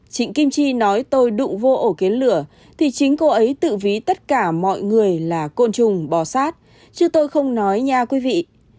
trịnh kim chi nói tôi đụng vô ổ kiến lửa thì chính cô ấy tự ví tất cả mọi người là côn trùng bò sát chứ tôi không nói nha quý vị